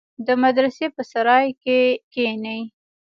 د مدرسې په سراى کښې کښېني.